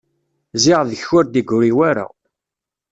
Ziɣ deg-k ur d-igri wara.